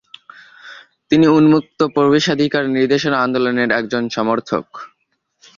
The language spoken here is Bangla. তিনি উন্মুক্ত প্রবেশাধিকার নির্দেশনা আন্দোলনের একজন সমর্থক।